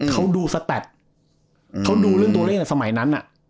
เขาดูแสตระเขาดูเรื่องตัวเล่นกันสมัยนั้นน่ะ